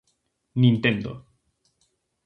Nintendo.